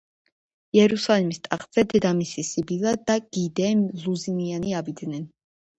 იერუსალიმის ტახტზე დედამისი სიბილა და გი დე ლუზინიანი ავიდნენ.